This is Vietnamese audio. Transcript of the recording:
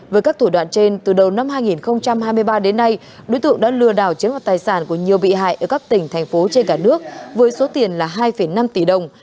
với các thủ đoạn trên từ đầu năm hai nghìn hai mươi ba đến nay đối tượng đã lừa đảo chiếm hoạt tài sản của nhiều bị hại ở các tỉnh thành phố trên cả nước với số tiền là hai năm tỷ đồng